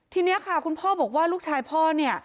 ทีนี้ค่ะคุณพ่อบอกว่าลูกชายพ่อเนี่ย